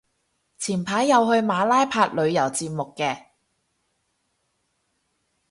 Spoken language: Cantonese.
前排有去馬拉拍旅遊節目嘅